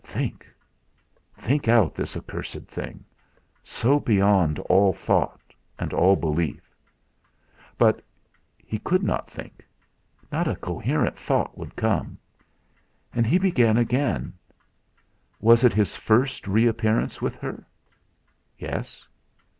Think out this accursed thing so beyond all thought, and all belief. But he could not think. Not a coherent thought would come. And he began again: "Was it his first reappearance with her?" "Yes."